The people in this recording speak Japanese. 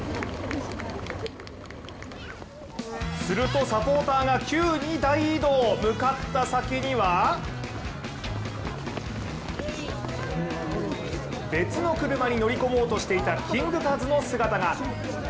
すると、サポーターが急に大移動向かった先には別の車に乗り込もうとしていたキングカズの姿が。